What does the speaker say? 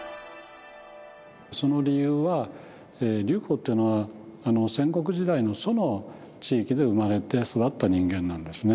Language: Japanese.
その理由は劉邦っていうのは戦国時代の楚の地域で生まれて育った人間なんですね。